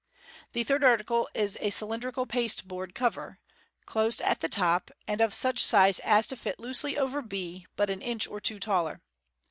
The third article is a cylindrical pasteboard cover (Fig. 212), closed at the top, and of such a size as to fit loosely over B, but an inch or two taller.